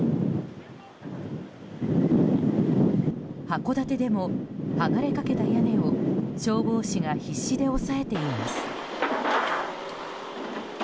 函館でも剥がれかけた屋根を消防士が必死で押さえています。